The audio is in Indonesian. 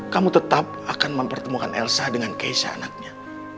kamu tetap akan mempertemukan elsa dengan keisha anaknya